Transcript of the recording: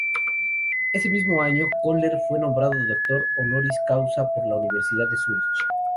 Ese mismo año, Koller fue nombrado "Doctor honoris causa" por la Universidad de Zúrich.